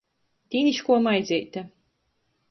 Dīniškuo maizeite.